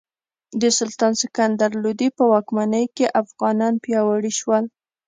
د سلطان سکندر لودي په واکمنۍ کې افغانان پیاوړي شول.